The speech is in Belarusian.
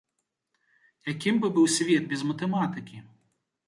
Якім бы быў свет без матэматыкі?